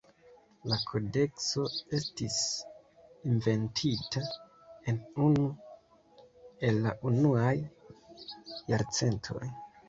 La kodekso estis inventita en unu el la unuaj jarcentoj.